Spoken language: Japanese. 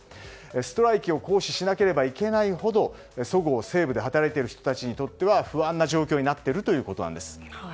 ストライキを行使しなければいけないほどそごう・西武で働く人たちにとっては不安な状況になっているということなんです。